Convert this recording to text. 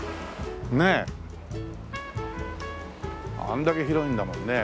あんだけ広いんだもんね。